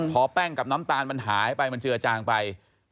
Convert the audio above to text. พอแป้งกับน้ำตาลมันหายไปมันเจือจางไป